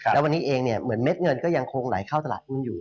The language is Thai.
แล้ววันนี้เองเนี่ยเหมือนเม็ดเงินก็ยังคงไหลเข้าตลาดหุ้นอยู่